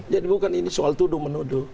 jadi bukan ini soal tuduh menuduh